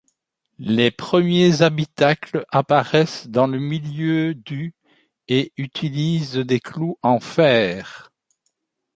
Les premiers habitacles apparaissent dans le milieu du et utilisent des clous en fer.